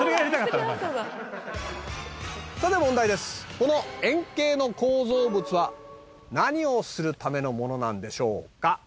この円形の構造物は何をするためのものなんでしょうか？